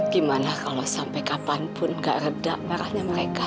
gimana kalau sampai kapanpun gak reda marahnya mereka